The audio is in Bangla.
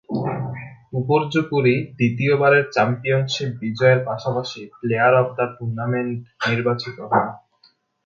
উপর্যুপরি দ্বিতীয়বারের চ্যাম্পিয়নশীপ বিজয়ের পাশাপাশি প্লেয়ার অব দ্য টুর্নামেন্ট নির্বাচিত হন।